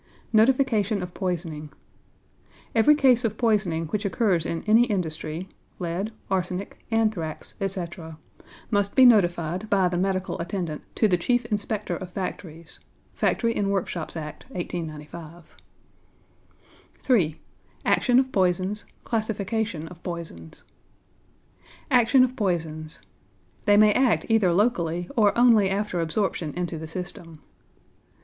=Notification of Poisoning.= Every case of poisoning which occurs in any industry (lead, arsenic, anthrax, etc.) must be notified by the medical attendant to the Chief Inspector of Factories (Factory and Workshops Act, 1895). III. ACTION OF POISONS; CLASSIFICATION OF POISONS =Action of Poisons.= They may act either locally or only after absorption into the system.